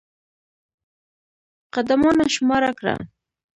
قدمانه شماره کړه.